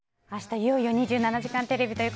いよいよ「２７時間テレビ」